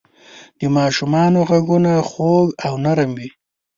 د ماشومانو ږغونه خوږ او نرم وي.